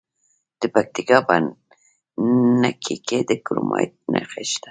د پکتیکا په نکې کې د کرومایټ نښې شته.